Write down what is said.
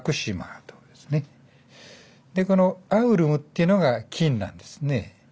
この「アウルム」っていうのが「金」なんですね。